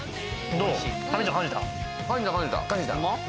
どう？